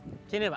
di sini pak